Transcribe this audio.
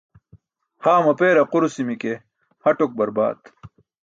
Haa mapeer aqurusi̇mi̇ ke ha tok barbaat.